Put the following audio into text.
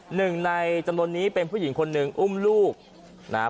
หนึ่งในจรรย์นี้เป็นผู้หญิงคนหนึ่งอุ้มลูกนะฮะ